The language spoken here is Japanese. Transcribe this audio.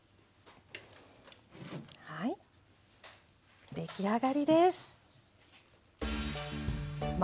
はい出来上がりです！